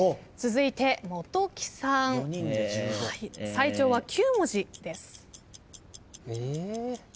最長は９文字です。え。